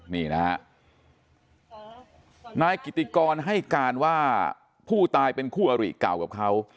นี่นะฮะนายกิติกรให้การว่าผู้ตายเป็นคู่อริเก่ากับเขา